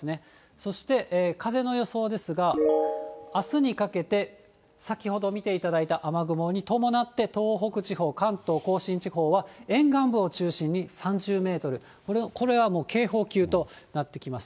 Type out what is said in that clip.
そして風の予想ですが、あすにかけて先ほど見ていただいた雨雲に伴って、東北地方、関東甲信地方は沿岸部を中心に３０メートル、これはもう警報級となってきます。